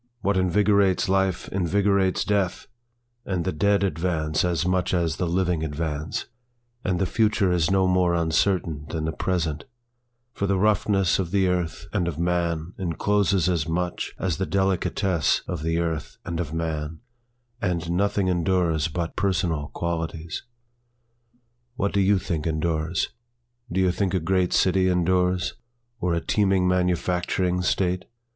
What invigorates life invigorates death, And the dead advance as much as the living advance, And the future is no more uncertain than the present, For the roughness of the earth and of man encloses as much as the delicatesse of the earth and of man, And nothing endures but personal qualities. What do you think endures? Do you think a great city endures? Or a teeming manufacturing state?